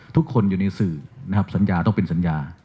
ทุกคนอยู่ในสื่อนะครับสัญญาต้องเป็นสัญญา